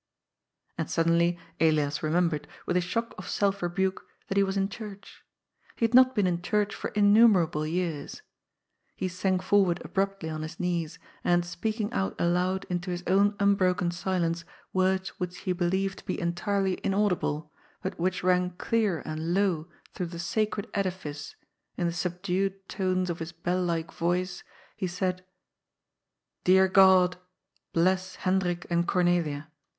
And suddenly Elias remembered, with a shock of self rebuke, that he was in church. He had not been in church 214 GOD'S POOL. for innumerable years. He sank forward abmptly on his knees and, speaking out aloud into his own unbroken silence words which he believed to be entirely inaudible, but which rang clear and low through the sacred edifice in j the subdued tones of his bell like yoice, he said :^* Dear God, bless Hendrik and Cornelia.